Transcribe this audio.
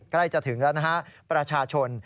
ใกล้จะถึงแล้วนะฮะประชาชน